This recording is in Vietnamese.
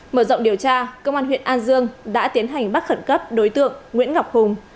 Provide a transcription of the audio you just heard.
mở rộng điều tra công an huyện an dương đã tiến hành bắt khẩn cấp đối tượng nguyễn ngọc hùng